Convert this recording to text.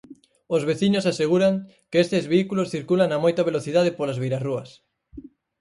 Os veciños aseguran que estes vehículos circulan a moita velocidade polas beirarrúas.